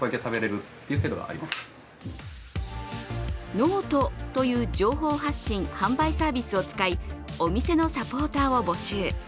ｎｏｔｅという情報発信・販売サービスを使いお店のサポーターを募集。